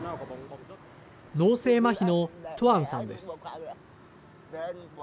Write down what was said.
脳性まひのトゥアンさんです。